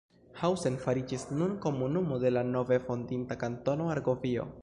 Hausen fariĝis nun komunumo de la nove fondita Kantono Argovio.